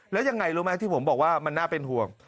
แล้วยังไงรู้ไหมที่ผมบอกว่ามันน่าเป็นห่วง